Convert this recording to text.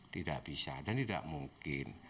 tidak bisa dan tidak mungkin